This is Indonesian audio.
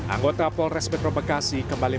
anggota polres metro bekasi kembali